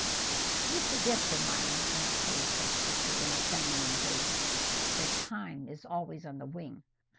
"You forget, Jemima," interposed her sister, in a feminine bass, "that time is always on the wing.